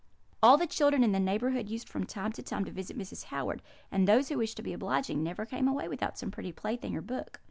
All the children in the neighbourhood used from time to time to visit Mrs. Howard; and those who wished to be obliging never came away without some pretty plaything or book.